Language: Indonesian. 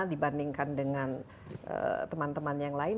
dibandingkan dengan teman teman yang lain